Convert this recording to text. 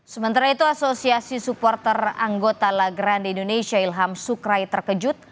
sementara itu asosiasi supporter anggota la grande indonesia ilham sukrai terkejut